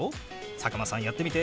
佐久間さんやってみて！